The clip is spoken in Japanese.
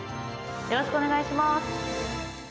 よろしくお願いします。